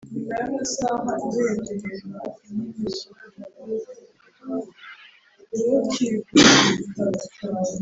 nibanzanire inkota. inkota barayimuzanira. ni bwo atanze itegeko